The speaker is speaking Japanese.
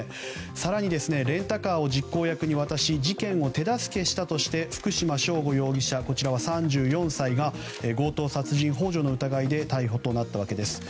更にレンタカーを実行役に渡し事件を手助けしたとして福島聖悟容疑者、３４歳が強盗殺人幇助の疑いで逮捕となったわけです。